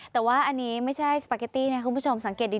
แต่ว่าอันนี้ไม่ใช่สปาเกตตี้นะคุณผู้ชมสังเกตดี